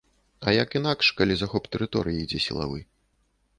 А як інакш, калі захоп тэрыторыі ідзе сілавы.